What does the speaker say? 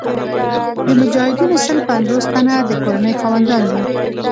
د مجاهدینو سل پنځوس تنه د کورنۍ خاوندان دي.